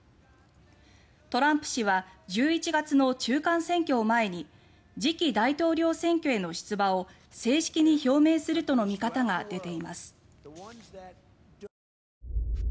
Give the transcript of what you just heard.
トランプ氏は１１月の中間選挙を前に次期大統領選挙への出馬を正式に表明するとの見方が出ています。